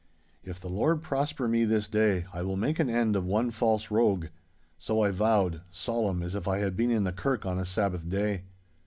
'If the Lord prosper me this day, I will make an end of one false rogue!' So I vowed, solemn as if I had been in the kirk on a Sabbath day.